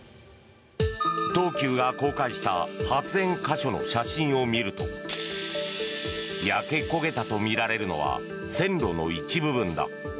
東急が公開した発煙箇所の写真を見ると焼け焦げたとみられるのは線路の一部分だ。